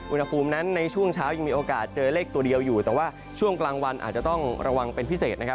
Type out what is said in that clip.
อุณหภูมินั้นในช่วงเช้ายังมีโอกาสเจอเลขตัวเดียวอยู่แต่ว่าช่วงกลางวันอาจจะต้องระวังเป็นพิเศษนะครับ